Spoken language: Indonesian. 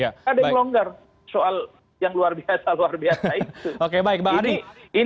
ada yang longgar soal yang luar biasa luar biasa itu